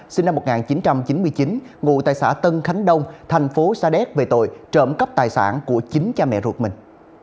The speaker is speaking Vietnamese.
sinh năm một nghìn chín trăm chín mươi chín ngụ tại xã tân khánh đông thành phố sa đéc về tội trộm cắp tài sản của chính cha mẹ ruột mình